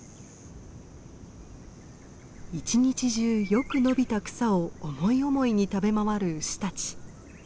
一日中よく伸びた草を思い思いに食べ回る牛たち。